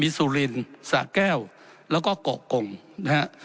มีสุรินทร์สระแก้วแล้วก็เกาะกงนะครับ